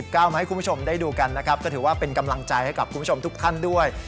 เอามาให้คุณผู้ชมได้ดูกันนะครับก็ถือว่าเป็นกำลังใจให้กับคุณผู้ชมทุกท่านด้วย